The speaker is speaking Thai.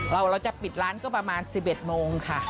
เราจะปิดร้านก็ประมาณ๑๑โมงค่ะ